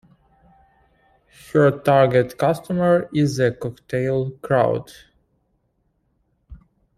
Her target customer is the "cocktail crowd".